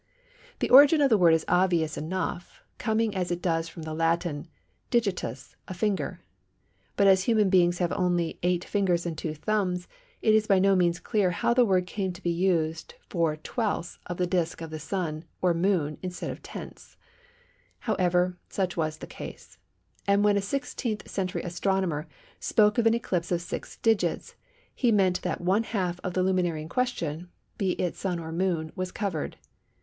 The origin of the word is obvious enough, coming as it does from the Latin word Digitus, a finger. But as human beings have only eight fingers and two thumbs it is by no means clear how the word came to be used for twelfths of the disc of the Sun or Moon instead of tenths. However, such was the case; and when a 16th century astronomer spoke of an eclipse of six digits, he meant that one half of the luminary in question, be it Sun or Moon, was covered.